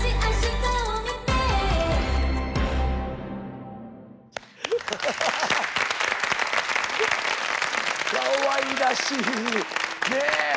かわいらしいね。